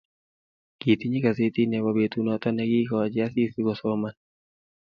Kitinye gasetit nebo betunoto ne kiikoch Asisi kosoman